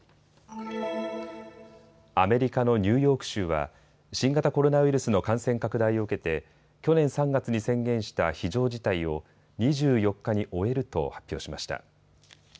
アメリカのニューヨーク州は新型コロナウイルスの感染拡大を受けて去年３月に宣言した非常事態を２４日に終えると発表しました。